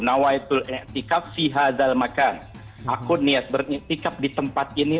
aku niat beriktikaf di tempat ini